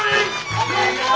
おめでとう！